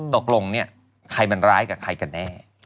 ตกลงเนี่ยใครมันร้ายกับใครกันแน่